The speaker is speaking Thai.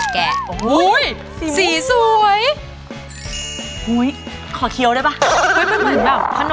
มันเหมือนแบบขนมมาก